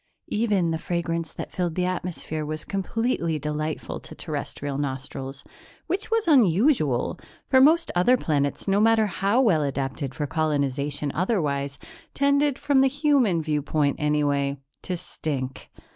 Even the fragrance that filled the atmosphere was completely delightful to Terrestrial nostrils which was unusual, for most other planets, no matter how well adapted for colonization otherwise, tended, from the human viewpoint, anyway, to stink.